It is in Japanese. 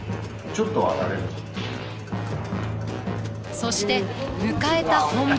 そして迎えた本番。